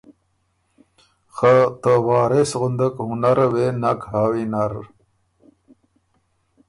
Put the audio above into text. خه ته وارث غندک هُنره وې نک هۀ وینر۔